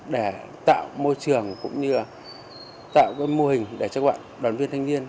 để tạo môi trường cũng như là tạo mô hình để cho các bạn đoàn viên thanh niên